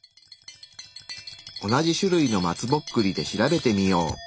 同じ種類の松ぼっくりで調べてみよう。